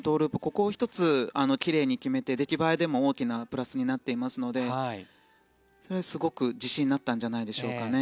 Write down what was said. ここを１つ奇麗に決めて、出来栄えでも大きなプラスになっていますのですごく自信になったんじゃないでしょうかね。